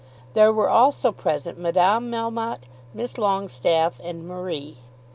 There were also present Madame Melmotte, Miss Longestaffe, and Marie.